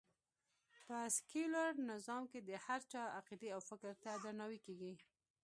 په سکیولر نظام کې د هر چا عقېدې او فکر ته درناوی کېږي